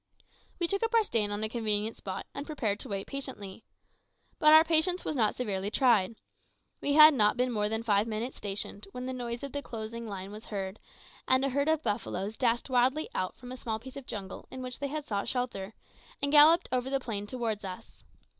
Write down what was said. We took up our stand on a convenient spot, and prepared to wait patiently. But our patience was not severely tried. We had not been more than five minutes stationed when the noise of the closing line was heard, and a herd of buffaloes dashed wildly out from a small piece of jungle in which they had sought shelter, and galloped over the plain towards us.